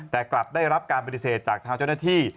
แต่กลับได้รับการปฏิเสธจากทางเจ้าหน้าที่